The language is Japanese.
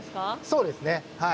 そうですねはい。